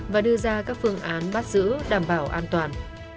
và đưa ra các phương án bắt giữ đảm bảo an toàn